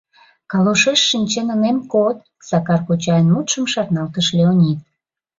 — Калошеш шинчен ынем код, — Сакар кочайын мутшым шарналтыш Леонид.